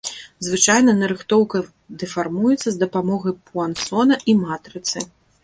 Звычайна нарыхтоўка дэфармуецца з дапамогай пуансона і матрыцы.